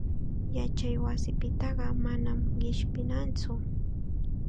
Yachaywasipitaqa manam qishpinatsu.